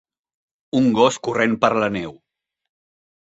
Un gos corrent per la neu.